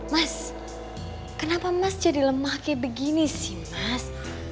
mas kenapa mas jadi lemah kayak begini sih mas